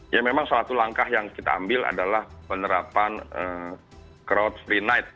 ya memang suatu langkah yang kita ambil adalah penerapan crowd free night